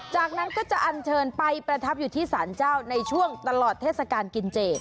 จากนั้นก็จะอันเชิญไปประทับอยู่ที่สารเจ้าในช่วงตลอดเทศกาลกินเจ